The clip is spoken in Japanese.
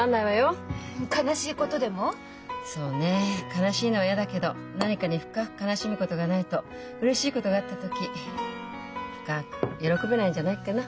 悲しいのは嫌だけど何かに深く悲しむことがないとうれしいことがあった時深く喜べないんじゃないかな。